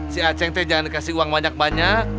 si acing teh jangan dikasih uang banyak banyak